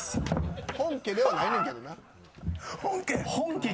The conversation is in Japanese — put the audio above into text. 本家ではないねんけどな。